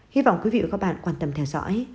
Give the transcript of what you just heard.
hy vọng quý vị và các bạn quan tâm theo dõi